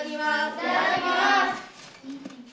いただきます。